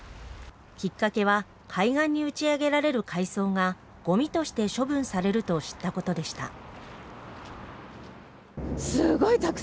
きっかけは海岸に打ち上げられる海藻がごみとして処分されると知ったことでした。